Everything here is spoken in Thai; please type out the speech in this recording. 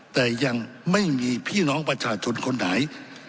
แต่ยังไม่มีพี่น้องประชาชนคนไหน